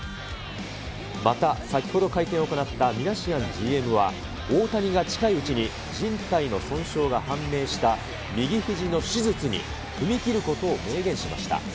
また先ほど会見を行った、ミナシアンＧＭは、大谷が近いうちにじん帯の損傷が判明した右ひじの手術に踏み切ることを明言しました。